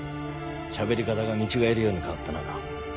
しゃべり方が見違えるように変わったな。